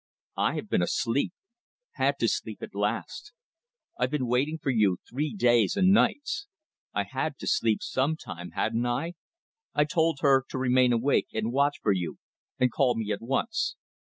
I have been asleep. Had to sleep at last. I've been waiting for you three days and nights. I had to sleep some time. Hadn't I? I told her to remain awake and watch for you, and call me at once.